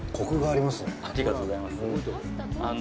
ありがとうございます。